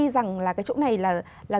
rằng cái chỗ này là